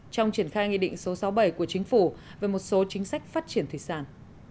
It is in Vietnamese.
trong triển khai nghị định số sáu mươi bảy của chính phủ về một số chính sách phát triển thủy sản